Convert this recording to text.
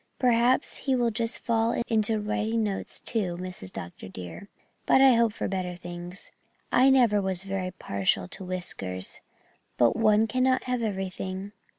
Perhaps he will just fall to writing notes, too, Mrs. Dr. dear, but I hope for better things. I never was very partial to whiskers, but one cannot have everything."